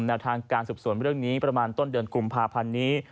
แนวทางการสืบสวนเรื่องนี้ประมาณต้นเดือนกุมภาพันธ์นี้